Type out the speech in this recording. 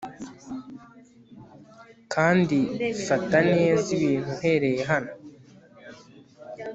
Kandi fata neza ibintu uhereye hano